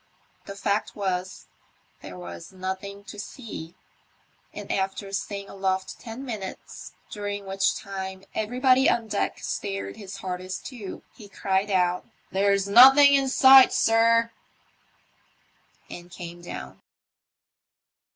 The fact was, there was nothing to see; and after staying aloft ten minutes, during which time everybody on deck stared his hardest too, he cried out, " There's nothen in sight, sir," and came down.